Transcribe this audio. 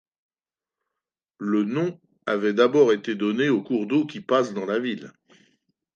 Le nom avait été d'abord donné au cours d'eau qui passe dans la ville.